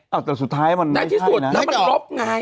อื้อแต่สุดท้ายมันไม่ใช่น่ะ